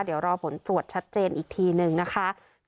เดี๋ยวรอผลตรวจชัดเจนอีกทีนึงนะคะ